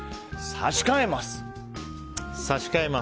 差し替えます。